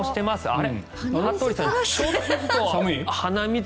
あれ？